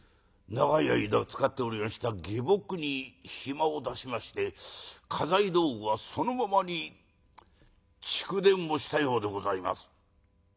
長い間使っておりました下僕に暇を出しまして家財道具はそのままに逐電をしたようでございます」。